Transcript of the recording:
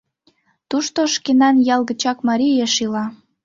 Тушто шкенан ял гычак марий еш ила.